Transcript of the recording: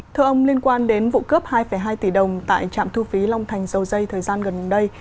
thưa ông liên quan đến vụ cướp hai hai tỷ đồng tại trạm thu phí long thành dầu dây thời gian gần đây